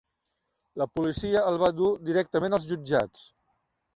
La policia el va dur directament als jutjats.